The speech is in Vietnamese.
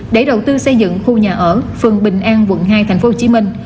để đầu tư xây dựng khu nhà ở phường bình an quận hai tp hcm